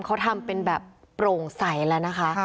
เขาทำเป็นแบบโปร่งใสแล้วนะคะ